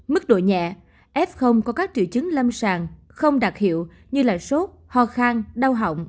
mức độ nhẹ f có các triệu chứng lâm sàng không đặc hiệu như là sốt ho khang đau họng